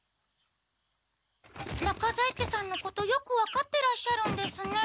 中在家さんのことよく分かってらっしゃるんですね。